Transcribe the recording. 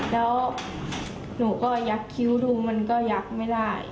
แล้วหนูก็ยักษ์คิ้วดูมันก็ยักษ์ไม่ได้